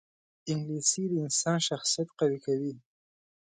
انګلیسي د انسان شخصیت قوي کوي